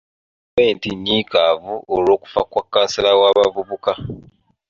Gavumenti nnyiikaavu olw'okufa kwa kansala w'abavubuka.